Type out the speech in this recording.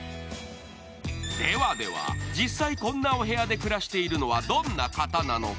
ではでは、実際こんなお部屋で暮らしているのはどんな方なのか。